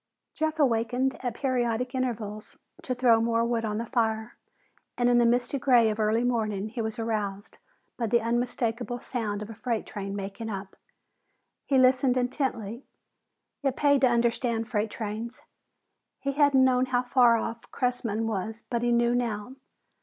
Jeff awakened at periodic intervals to throw more wood on the fire, and in the misty gray of early morning he was aroused by the unmistakable sound of a freight train making up. He listened intently; it paid to understand freight trains. He hadn't known how far off Cressman was, but he knew now.